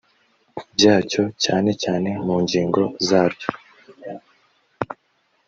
byacyo cyane cyane mu ngingo zaryo